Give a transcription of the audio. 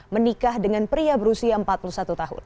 menikah dengan pria berusia empat puluh satu tahun